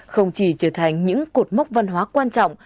không chỉ trở thành những cột mốc văn hóa quan trọng